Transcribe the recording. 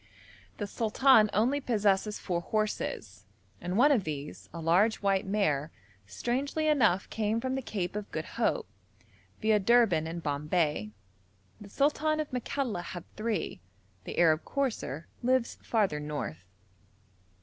The sultan only possesses four horses, and one of these, a large white mare, strangely enough came from the Cape of Good Hope, viâ Durban and Bombay. The sultan of Makalla had three. The 'Arab courser' lives farther north.